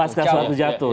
pasca soeharto jatuh